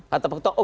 kata pak ketua